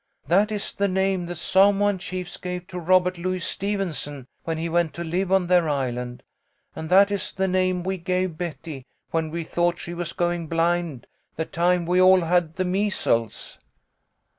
That is the name the Samoan chiefs gave to Robert Louis Stevenson when he went to live on their island, and that is the name we gave Betty when we thought she was going blind, the time we all had the measles."